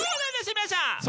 皆さん。